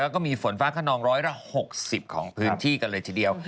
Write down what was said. แล้วก็มีฝนฟ้าขนองร้อยละ๖๐ของพื้นที่กันเลยทีเดียว